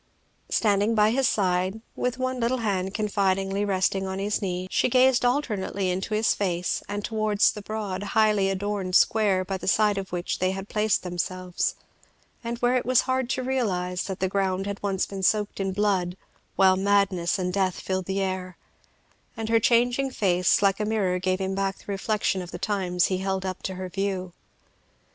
Standing by his side, with one little hand confidingly resting on his knee, she gazed alternately into his face and towards the broad highly adorned square by the side of which they had placed themselves, and where it was hard to realize that the ground had once been soaked in blood while madness and death filled the air; and her changing face like a mirror gave him back the reflection of the times he held up to her view.